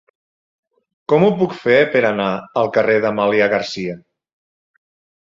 Com ho puc fer per anar al carrer d'Amàlia Garcia?